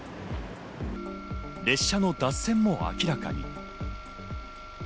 列車の脱線も明らかに。